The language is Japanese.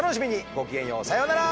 ごきげんようさようなら。